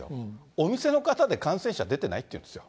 お店の方で感染者出てないっていうんですよ。